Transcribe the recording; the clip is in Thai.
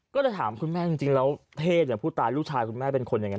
ก็จะถามคุณแม่จริงแล้วเพศอย่างผู้ตายลูกชายคุณแม่เป็นคนอย่างนั้น